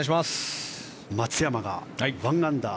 松山が１アンダー。